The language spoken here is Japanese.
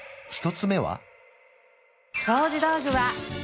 １つ目は？